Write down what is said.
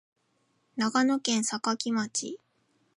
長野県坂城町